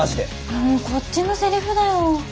もうこっちのセリフだよ。